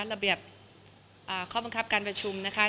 ระเบียบข้อบังคับการประชุมนะคะ